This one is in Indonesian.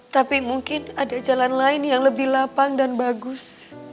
tapi mungkin ada jalan lain yang lebih lapang dan bagus